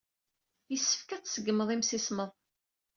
Yessefk ad tṣeggmed imsismeḍ.